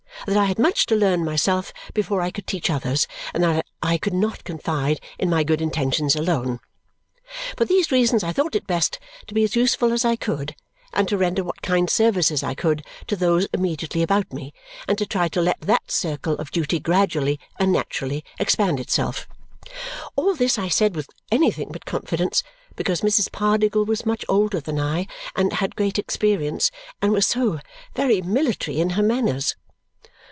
That I had much to learn, myself, before I could teach others, and that I could not confide in my good intentions alone. For these reasons I thought it best to be as useful as I could, and to render what kind services I could to those immediately about me, and to try to let that circle of duty gradually and naturally expand itself. All this I said with anything but confidence, because Mrs. Pardiggle was much older than I, and had great experience, and was so very military in her manners.